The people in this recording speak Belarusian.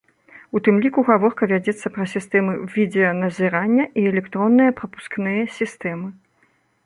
У тым ліку гаворка вядзецца пра сістэмы відэаназірання і электронныя прапускныя сістэмы.